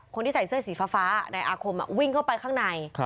คนที่ใส่เสื้อสีฟ้าในอาคมวิ่งเข้าไปข้างใน